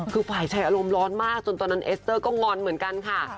คือฝ่ายชายอารมณ์ร้อนมากจนตอนนั้นเอสเตอร์ก็งอนเหมือนกันค่ะ